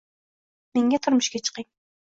Menga turmushga chiqing